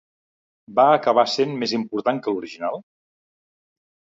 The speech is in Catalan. Va acabar sent més important que l'original?